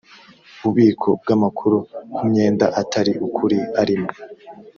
bubiko bw amakuru ku myenda atari ukuri arimo